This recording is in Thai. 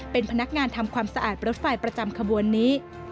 เป็นพนักงานทำความสะอาดรถไฟประจำขบวนนี้